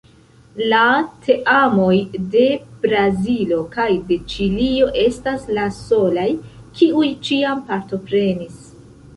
La teamoj de Brazilo kaj de Ĉilio estas la solaj, kiuj ĉiam partoprenis.